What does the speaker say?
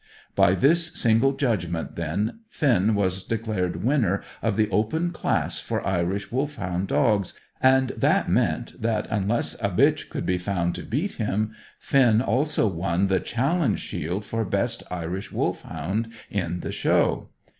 By this single judgment, then, Finn was declared winner of the Open class for Irish Wolfhound dogs, and that meant that, unless a bitch could be found to beat him, Finn also won the Challenge Shield for best Irish Wolfhound in the Show.